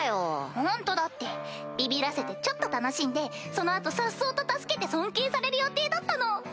ホントだってビビらせてちょっと楽しんでその後さっそうと助けて尊敬される予定だったの！